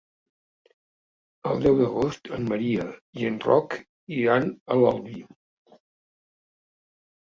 El deu d'agost en Maria i en Roc iran a l'Albi.